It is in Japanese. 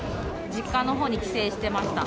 実家のほうに帰省してました。